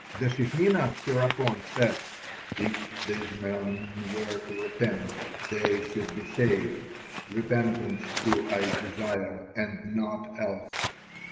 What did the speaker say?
The Shekinah hereupon said: "If these men were to repent, they should be saved; repentance do I desire, and naught else."